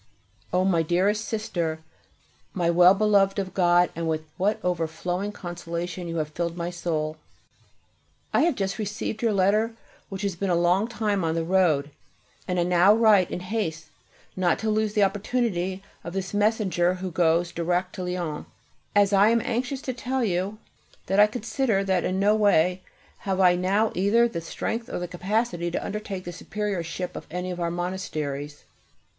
O my dearest Sister, My well beloved of God, with what overflowing consolation you have filled my soul! I have just received your letter, which has been a long time on the road, and I now write in haste not to lose the opportunity of this messenger who goes direct to Lyons, as I am anxious to tell you that I consider that in no way have I now either the strength or the capacity to undertake the superiorship of any of our monasteries.